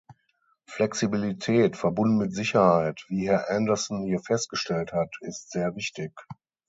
Flexibilität verbunden mit Sicherheit, wie Herr Andersson hier festgestellt hat, ist sehr wichtig.